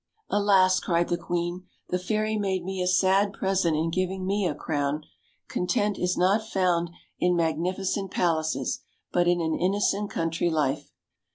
"Alas!" cried the queen, "the fairy made me a sad present in giving me a crown. Content is not found in magnificent palaces, but in an innocent country life."